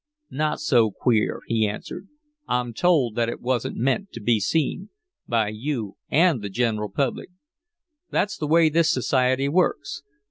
"Not so queer," he answered. "I'm told that it wasn't meant to be seen by you and the general public. That's the way this society works.